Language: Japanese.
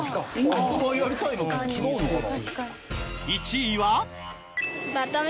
一番やりたいの違うのかな？